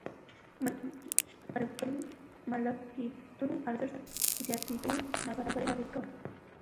ملکيتونو ارزښت زياتېدو نابرابري اغېزه کوي.